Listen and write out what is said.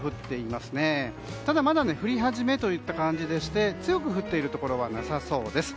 まだ降り始めといった感じで強く降っているところはなさそうです。